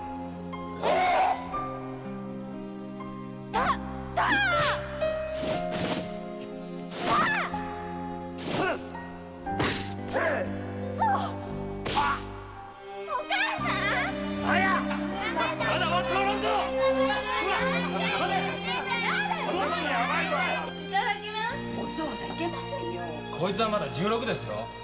〔こいつはまだ十六歳ですよ。